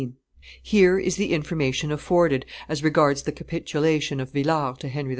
] Here is the information afforded, as regards the capitulation of Villars to Henry IV.